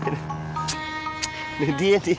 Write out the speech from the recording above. ini dia nih